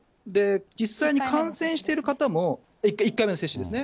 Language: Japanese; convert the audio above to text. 実際に感染してる方も、１回目の接種ですね。